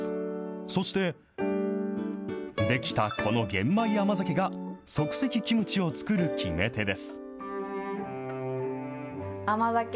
そして出来たこの玄米甘酒が、即席キムチを作る決め手です。